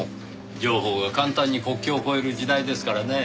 情報が簡単に国境を越える時代ですからねぇ。